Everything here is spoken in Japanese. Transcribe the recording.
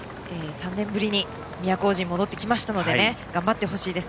３年ぶりに都大路に戻ってきましたので頑張ってほしいです。